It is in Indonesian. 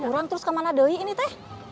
orang terus kemana dewi ini teh